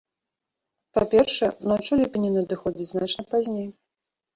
Па-першае, ноч у ліпені надыходзіць значна пазней.